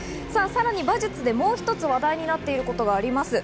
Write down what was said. もう一つ話題になっていることがあります。